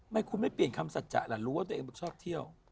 ไม่คุณไม่เปลี่ยนคำสัจจะแหละรู้ว่าตัวเองชอบเที่ยว